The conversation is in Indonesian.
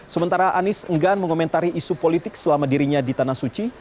sementara anies enggan mengomentari isu politik selama dirinya di tanah suci